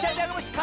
か